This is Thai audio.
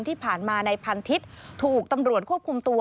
ที่ผ่านมานายพันทิศถูกตำรวจควบคุมตัว